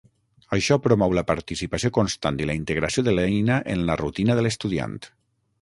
Això promou la participació constant i la integració de l’eina en la rutina de l’estudiant.